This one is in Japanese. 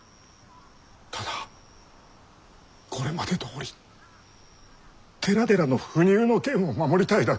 ただこれまでどおり寺々の不入の権を守りたいだけ。